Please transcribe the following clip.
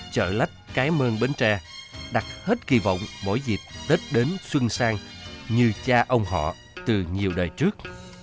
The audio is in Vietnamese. chợ lách cái mương bến tre đặt hết kỳ vọng mỗi dịp tết đến xuân sang như cha ông họ từ nhiều đời trước